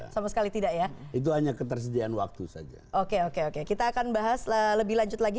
sama sekali tidak ya itu hanya ketersediaan waktu saja oke oke oke kita akan bahas lebih lanjut lagi